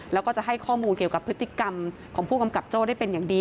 แล้วก็จะให้ข้อมูลเกี่ยวกับพฤติกรรมของผู้กำกับโจ้ได้เป็นอย่างดี